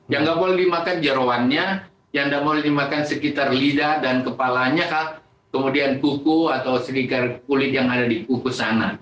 yang nggak boleh dimakan jerawannya yang tidak boleh dimakan sekitar lidah dan kepalanya kemudian kuku atau sriker kulit yang ada di kukus sana